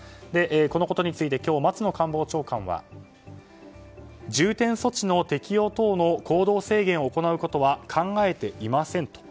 このことについて今日、松野官房長官は重点措置の適用等の行動制限を行うことは考えていませんと。